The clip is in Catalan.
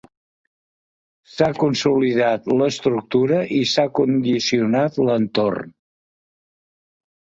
S'ha consolidat l'estructura i s'ha condicionat l'entorn.